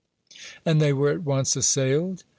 "And they were at once assailed?"